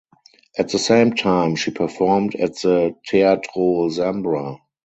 At the same time she performed at the Teatro Zambra.